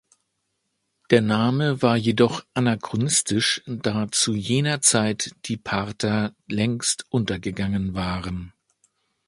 Der Name war jedoch anachronistisch, da zu jener Zeit die Parther längst untergegangen waren.